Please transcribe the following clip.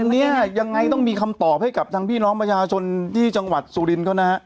อันนี้ยังไงต้องมีคำตอบให้กับทางพี่น้องประชาชนที่จังหวัดสุรินทร์เขานะฮะ